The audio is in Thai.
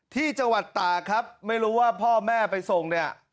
ที่จังหวัดตากครับไม่รู้ว่าพ่อแม่ไปส่งเนี่ย